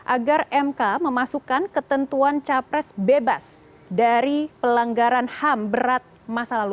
agar mk memasukkan ketentuan capres bebas dari pelanggaran ham berat masa lalu